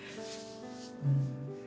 うん。